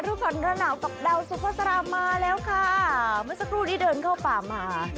ทุกคนกระหน่ากับดาวสุขสรามมาแล้วค่ะเมื่อสักครู่นี้เดินเข้าป่ามา